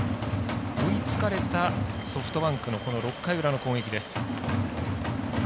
追いつかれたソフトバンクの６回裏の攻撃です。